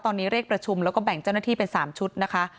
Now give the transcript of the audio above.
ตอนนี้เรียกประชุมแล้วก็แบ่งเจ้าหน้าที่เป็น๓ชุดนะคะ